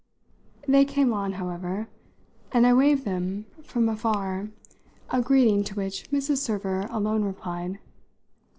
They came on, however, and I waved them from afar a greeting, to which Mrs. Server alone replied.